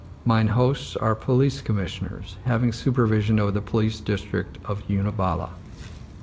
Mine hosts are police commissioners, having supervision over the police district of Uniballa.